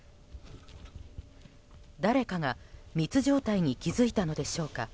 誰かが密状態に気づいたのでしょうか。